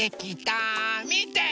みて！